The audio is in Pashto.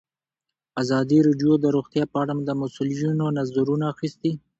ازادي راډیو د روغتیا په اړه د مسؤلینو نظرونه اخیستي.